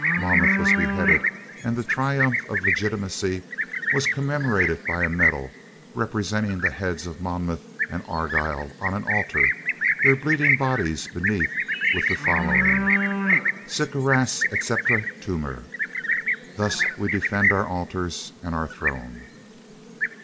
Monmouth was beheaded, and the triumph of legitimacy was commemorated by a medal, representing the heads of Monmouth and Argyle on an altar, their bleeding bodies beneath, with the following: "Sic aras et sceptra tuemur." ("Thus we defend our altars and our throne.")